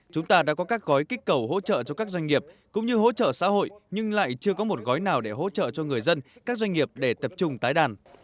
chúng ta đã có các gói kích cầu hỗ trợ cho các doanh nghiệp cũng như hỗ trợ xã hội nhưng lại chưa có một gói nào để hỗ trợ cho người dân các doanh nghiệp để tập trung tái đàn